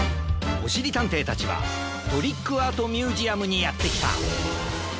おしりたんていたちはトリックアートミュージアムにやってきた。